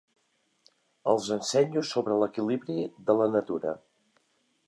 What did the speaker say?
Els ensenyo sobre l'equilibri de la natura.